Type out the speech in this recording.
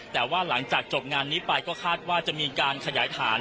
แต่ว่าหลังจากจบงานนี้ไปก็คาดว่าจะมีการขยายฐาน